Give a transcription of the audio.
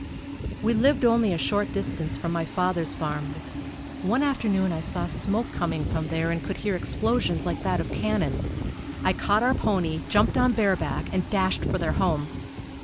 We lived only a short distance from my father's farm. One afternoon I saw smoke coming from there and could hear explosions like that of cannon. I caught our pony, jumped on bareback, and dashed for their home.